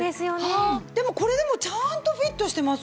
でもこれでもちゃんとフィットしてますからね